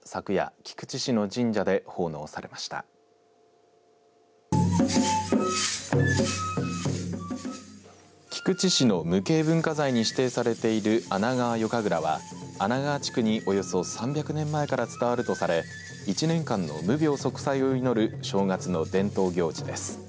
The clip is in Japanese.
菊池市の無形文化財に指定されている穴川夜神楽は穴川地区におよそ３００年前から伝わるとされ１年間の無病息災を祈る正月の伝統行事です。